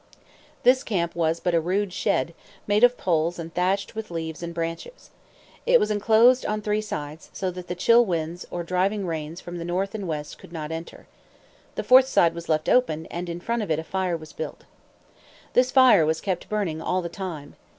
This camp was but a rude shed, made of poles and thatched with leaves and branches. It was enclosed on three sides, so that the chill winds or the driving rains from the north and west could not enter. The fourth side was left open, and in front of it a fire was built. This fire was kept burning all the time.